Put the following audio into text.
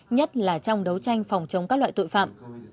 nhất là trong đấu tranh phòng chống các loại tội phạm